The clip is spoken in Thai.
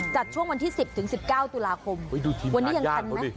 จัดช่วงวันที่สิบถึงสิบเก้าตุลาคมเฮ้ยดูทีมพระย่างเขาดิ